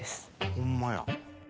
ホンマや。